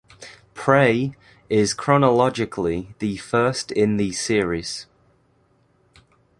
"Prey" is chronologically the first in the series.